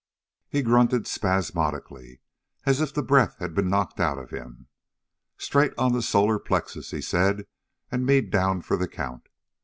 He grunted spasmodically, as if the breath had been knocked out of him. "Straight on the solar plexus," he said, "an' me down for the count.